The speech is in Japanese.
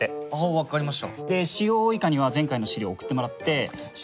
分かりました。